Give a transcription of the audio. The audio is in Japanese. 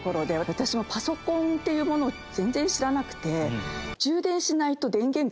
私もパソコンっていうものを全然知らなくて。